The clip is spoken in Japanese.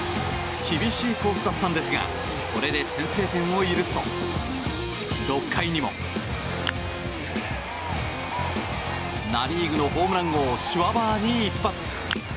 厳しいコースだったんですがこれで先制点を許すと６回にも。ナ・リーグのホームラン王シュワバーに一発。